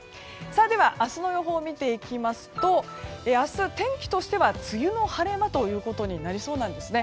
では明日の予報を見ていきますと明日、天気としては梅雨の晴れ間になりそうなんです。